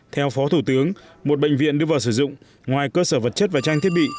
theo phó thủ tướng một bệnh viện đưa vào sử dụng ngoài cơ sở vật chất và trang thiết bị